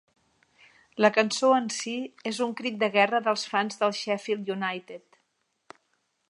La cançó en si és un crit de guerra dels fans del Sheffield United.